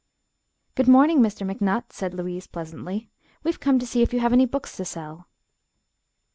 "Good morning, Mr. McNutt," said Louise, pleasantly. "We've come to see if you have any books to sell."